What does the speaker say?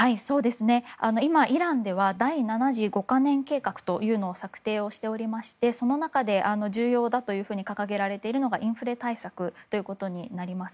今、イランでは第７次５か年計画というのを策定しておりましてその中で重要だと掲げられているのがインフレ対策となります。